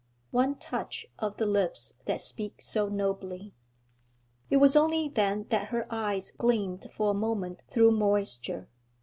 'One touch of the lips that speak so nobly.' It was only then that her eyes gleamed for a moment through moisture.